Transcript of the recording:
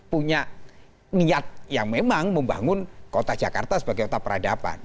punya niat yang memang membangun kota jakarta sebagai kota peradaban